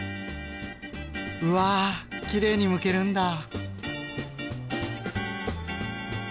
うわきれいにむけるんだ！